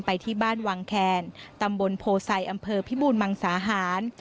ไปที่บ้านวังแคนตำบลโพไซอำเภอพิบูรมังสาหาร